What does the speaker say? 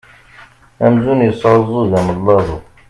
Amzun yesεuẓẓug umellaẓu!